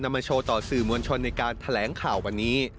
มาโชว์ต่อสื่อมวลชนในการแถลงข่าววันนี้